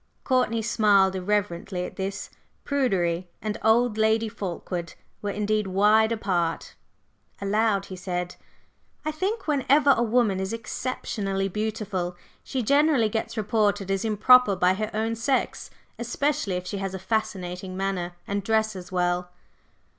Courtney smiled irreverently at this. Prudery and "old" Lady Fulkeward were indeed wide apart. Aloud he said: "I think whenever a woman is exceptionally beautiful she generally gets reported as 'improper' by her own sex; especially if she has a fascinating manner and dresses well."